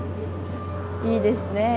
いいですね